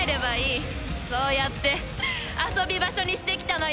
そうやって遊び場所にしてきたのよ